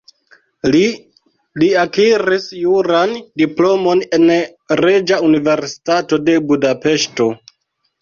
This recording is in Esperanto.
Li li akiris juran diplomon en Reĝa Universitato de Budapeŝto.